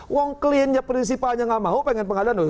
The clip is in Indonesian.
wong klin yang prinsipanya tidak mau pengen pengadilan